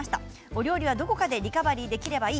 お料理はどこかでリカバリーできればいい。